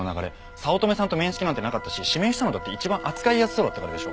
早乙女さんと面識なんてなかったし指名したのだって一番扱いやすそうだったからでしょ。